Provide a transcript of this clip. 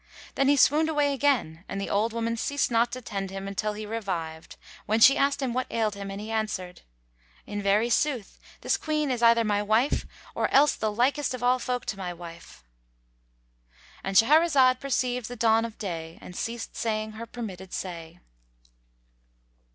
Then he swooned away again and the old woman ceased not to tend him till he revived, when she asked him what ailed him and he answered, "In very sooth this Queen is either my wife or else the likest of all folk to my wife."—And Shahrazad perceived the dawn of day and ceased saying her permitted say.